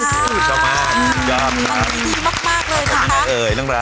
ยาวยาวครับมันดีมากมากเลยนะคะอ๋อมีนาเอ๋ยดังลับ